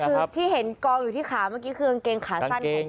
คือที่เห็นกองอยู่ที่ขาเมื่อกี้คือกางเกงขาสั้นของ